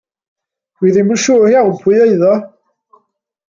Dw i ddim yn siŵr iawn pwy oedd o.